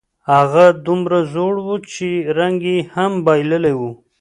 خو هغه دومره زوړ و، چې رنګ یې هم بایللی و.